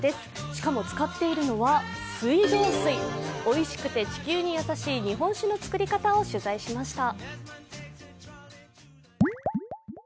しかも、使っているのは水道水、おいしくて、地球に優しい日本酒の造り方を取材しました。